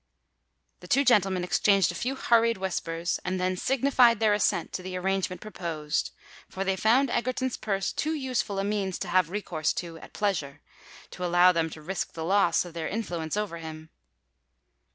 The two gentlemen exchanged a few hurried whispers, and then signified their assent to the arrangement proposed; for they found Egerton's purse too useful a means to have recourse to at pleasure, to allow them to risk the loss of their influence over him.